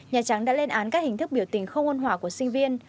nhà trắng đã lên án các hình thức biểu tình không ôn hòa của sinh viên